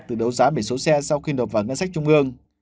từ đấu giá biển số xe sau khi nộp vào ngân sách trung ương